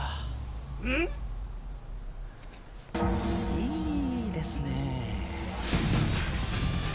いいですねぇ。